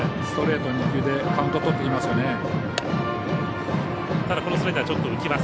ストレート２球でカウントとってますよね。